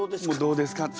どうですかって。